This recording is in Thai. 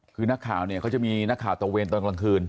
คือนักข่าวเนี่ยเขาจะมีนักข่าวตะเวนตอนกลางคืน